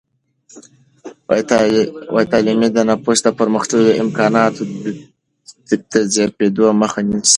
تعلیم د نفوس د پرمختللو امکاناتو د ضعیفېدو مخه نیسي.